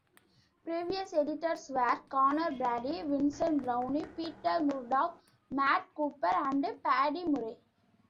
Previous editors were Conor Brady, Vincent Browne, Peter Murtagh, Matt Cooper and Paddy Murray.